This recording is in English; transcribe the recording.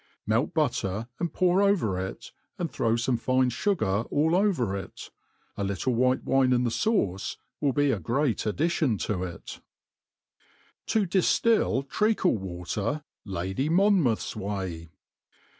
Melt butter and pour over it, and throw fome fine fugar all over it ; j» littli winp in the fauce will be a great addition to i(» T9 difttl Tnach'Water Lady MonnfutVt Way.